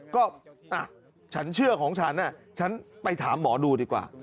ก็ฉันเชื่อของฉันฉันไปถามหมอดูดีกว่า